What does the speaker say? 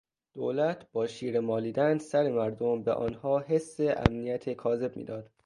دولت با شیره مالیدن سر مردم به آنها حس امنیت کاذب میداد.